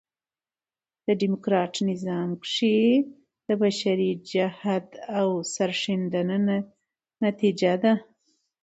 ډيموکراټ نظام کښي د بشري جهد او سرښندنو نتیجه ده.